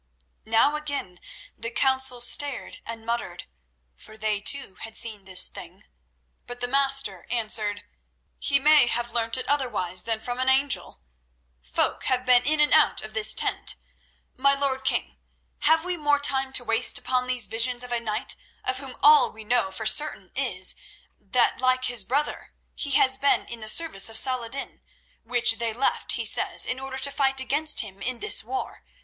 Now again the council stared and muttered, for they too had seen this thing; but the Master answered: "He may have learnt it otherwise than from an angel. Folk have been in and out of this tent. My lord king, have we more time to waste upon these visions of a knight of whom all we know for certain is, that like his brother, he has been in the service of Saladin, which they left, he says, in order to fight against him in this war.